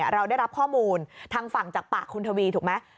เราได้รับข้อมูลทางฝั่งจากปากคุณทวีถูกไหม